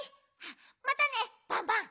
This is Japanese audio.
またねバンバン。